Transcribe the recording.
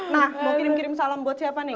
nah mau kirim kirim salam buat siapa nih